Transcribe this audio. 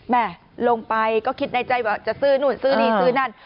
แม่ลงไปก็คิดในใจว่าจะซื้อนู่นซื้อนี่ซื้อนั่น